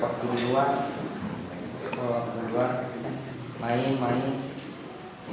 waktu berdua main main